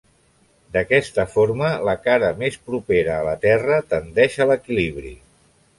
D'aquesta forma, la cara més propera a la Terra tendeix a l'equilibri.